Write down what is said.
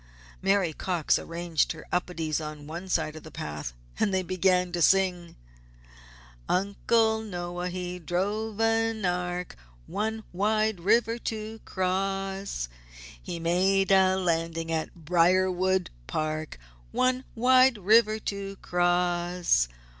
Mary Cox arranged her Upedes on one side of the path and they began to sing: "Uncle Noah, he drove an Ark One wide river to cross! He made a landing at Briarwood Park One wide river to cross!